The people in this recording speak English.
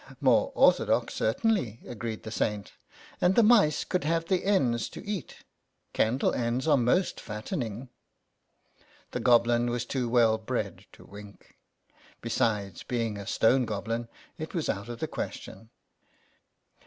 "More orthodox, certainly," agreed the Saint, " and the mice could have the ends to eat ; candle ends are most fattening." The Goblin was too well bred to wink ; 64 THE SAINT AND THE GOBLIN besides, being a stone goblin, it was out of the question.